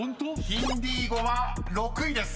［「ヒンディー語」は６位です］